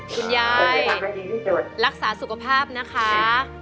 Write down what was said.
คุณยายรักษาสุขภาพนะคะ